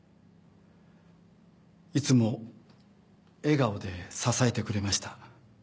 いつも笑顔で支えてくれました。